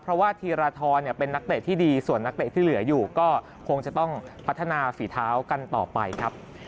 เพราะว่าธีรทรเป็นนักเตะที่ดีส่วนนักเตะที่เหลืออยู่ก็คงจะต้องพัฒนาฝีเท้ากันต่อไปครับ